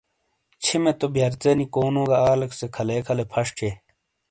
چھمے تو بیئرژ ینی کونو گہ آلیکسے کھلے کھلے فش تھئیے۔